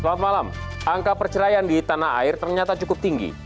selamat malam angka perceraian di tanah air ternyata cukup tinggi